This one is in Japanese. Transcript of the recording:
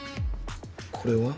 これは？